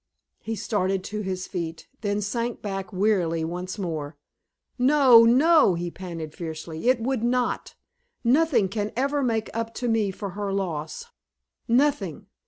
He started to his feet, then sank back wearily once more. "No, no!" he panted, fiercely; "it would not! Nothing can ever make up to me for her loss nothing!